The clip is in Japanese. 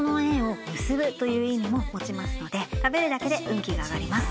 という意味も持ちますので食べるだけで運気が上がります。